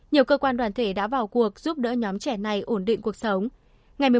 nhiều cơ quan đoàn thể đã vào cuộc giúp đỡ nhóm trẻ này ổn định cuộc sống